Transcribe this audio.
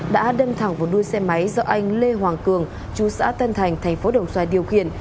đã đâm thẳng vào đuôi xe máy do anh lê hoàng cường chú xã tân thành thành phố đồng xoài điều khiển